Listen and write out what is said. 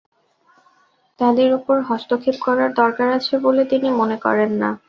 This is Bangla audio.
তাঁদের ওপর হস্তক্ষেপ করার দরকার আছে বলে তিনি মনে করেন না।